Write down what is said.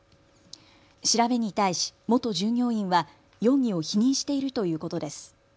調べに対し元従業員は容疑を否認しているということです。